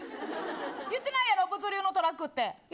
言ってないやろ物流のトラックって。